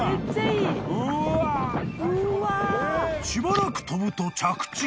［しばらく飛ぶと着地］